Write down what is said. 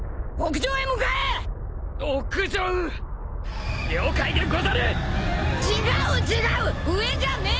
上じゃねえ！